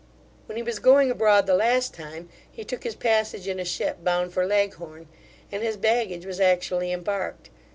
When he was going abroad the last time, he took his passage in a ship bound for Leghorn, and his baggage was actually embarked.